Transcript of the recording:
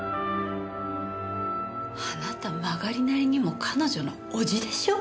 あなた曲がりなりにも彼女の叔父でしょ？